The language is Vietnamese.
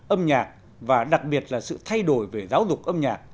âm nhạc và đặc biệt là sự thay đổi về giáo dục âm nhạc